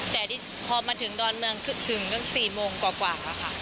แต่พอถึงดอนเมืองถึงก็๔โหลกว่ากว่า